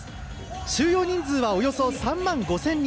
収容人数はおよそ３万５０００人。